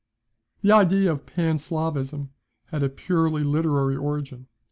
["The idea of Panslavism had a purely literary origin.